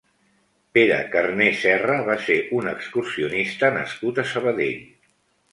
Pere Carné Serra va ser un excursionista nascut a Sabadell.